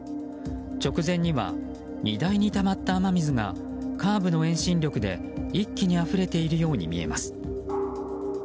直前には、荷台にたまった雨水がカーブの遠心力で一気にあふれているように見えます。